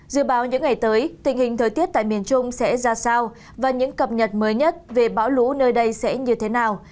dự báo những ngày tới tình hình thời tiết tại miền trung sẽ ra sao và những cập nhật mới nhất về bão lũ nơi đây sẽ như thế nào